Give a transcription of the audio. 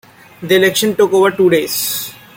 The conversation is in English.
The election took over two days.